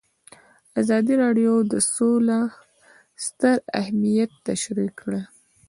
ازادي راډیو د سوله ستر اهميت تشریح کړی.